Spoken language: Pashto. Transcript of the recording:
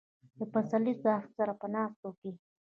له پسرلي صاحب سره په ناستو کې.